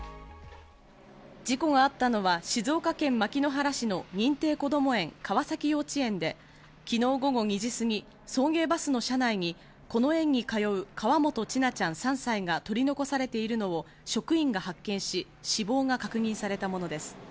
事故があったのは静岡県牧之原市の認定こども園・川崎幼稚園で、昨日午後２時過ぎ、送迎バスの車内にこの園に通う河本千奈ちゃん３歳が取り残されているのを職員が発見し、死亡が確認されたものです。